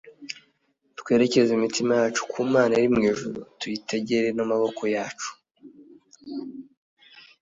Twerekeze imitima yacu ku Mana iri mu ijuru, Tuyitegere n’amaboko yacu.